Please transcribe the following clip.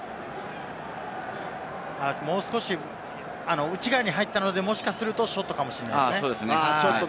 もう少し内側に入ったので、もしかするとショットかもしれないですね。